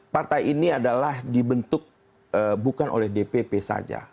partai ini adalah dibentuk bukan oleh dpp saja